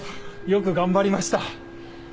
よく頑張りました。